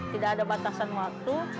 tidak ada batasan waktu